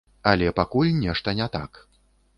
Але пакуль нешта не так.